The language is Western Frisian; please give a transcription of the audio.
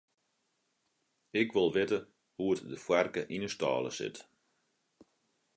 Ik wol witte hoe't de foarke yn 'e stâle sit.